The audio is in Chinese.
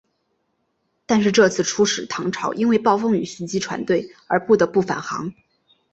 但是这次出使唐朝因为暴风雨袭击船队而不得不返航。